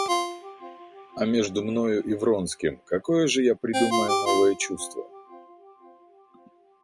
А между мною и Вронским какое же я придумаю новое чувство?